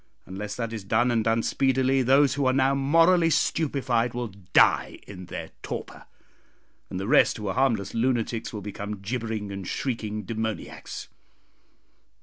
Unless that is done, and done speedily, those who are now morally stupefied will die in their torpor, and the rest who are harmless lunatics will become gibbering and shrieking demoniacs.